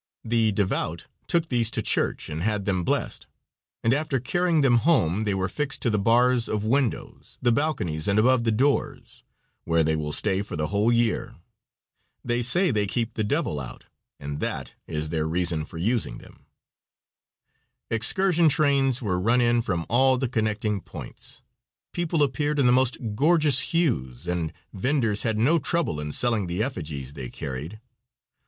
The devout took these to church and had them blessed, and after carrying them home they were fixed to the bars of windows, the balconies and above the doors, where they will stay for the whole year. They say they keep the devil out, and that is their reason for using them. Excursion trains were run in from all the connecting points, people appeared in the most gorgeous hues, and venders had no trouble in selling the effigies they carried.